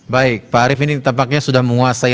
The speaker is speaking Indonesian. baik pak arief ini tampaknya sudah menguasai